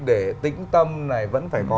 để tĩnh tâm này vẫn phải có